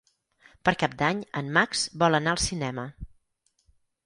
Per Cap d'Any en Max vol anar al cinema.